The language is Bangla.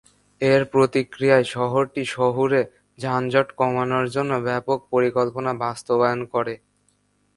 এর প্রতিক্রিয়ায়, শহরটি শহুরে যানজট কমানোর জন্য ব্যাপক পরিকল্পনা বাস্তবায়ন করে।